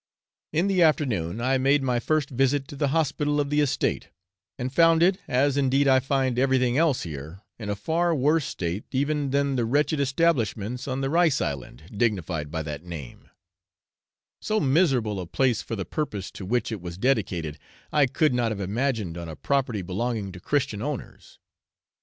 In the afternoon, I made my first visit to the hospital of the estate, and found it, as indeed I find everything else here, in a far worse state even than the wretched establishments on the Rice Island, dignified by that name; so miserable a place for the purpose to which it was dedicated I could not have imagined on a property belonging to Christian owners.